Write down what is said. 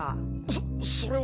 そそれは。